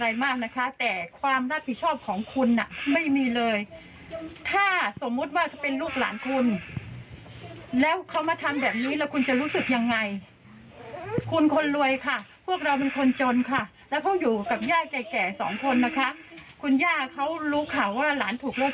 อยู่นี่แหละค่ะที่ดูเรือเกค่ะ